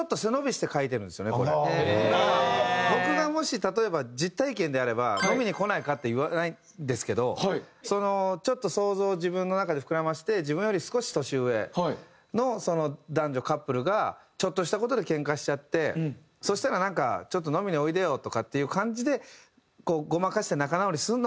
だから僕がもし例えば実体験であれば「飲みに来ないか」って言わないんですけどちょっと想像を自分の中で膨らませて自分より少し年上の男女カップルがちょっとした事でけんかしちゃってそしたらなんか「ちょっと飲みにおいでよ」とかっていう感じでごまかして仲直りするのかなっていうのを想像しながら。